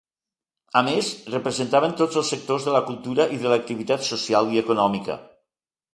A més representaven tots els sectors de la cultura i de l'activitat social i econòmica.